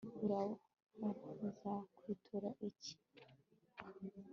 uhoraho nzakwitura iki? [gushimira